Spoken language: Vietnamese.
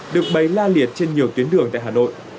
được bày la liệt trên nhiều tuyến đường tại hà nội